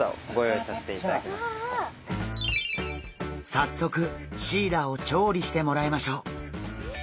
早速シイラを調理してもらいましょう。